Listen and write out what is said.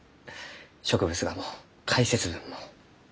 植物画も解説文も。